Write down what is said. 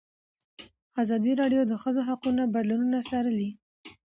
ازادي راډیو د د ښځو حقونه بدلونونه څارلي.